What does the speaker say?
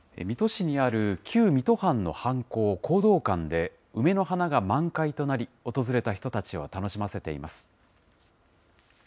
水戸市にある旧水戸藩の藩校、弘道館で、梅の花が満開となり、訪れた人たちを楽しませています。